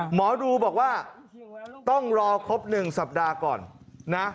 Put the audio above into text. หมอดูบอกว่าต้องรอครบ๑สัปดาห์ก่อนนะ